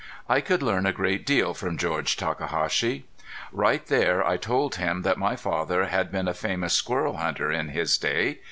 I could learn a great deal from George Takahashi. Right there I told him that my father had been a famous squirrel hunter in his day.